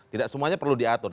tidak semuanya perlu diatur